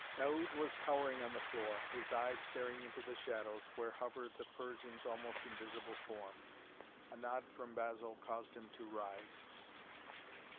Daoud was cowering on the floor, his eyes staring into the shadows, where hovered the Persian's almost invisible form. A nod from Basil caused him to rise.